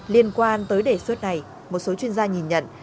liên quan tới đề xuất này một số chuyên gia nhìn nhận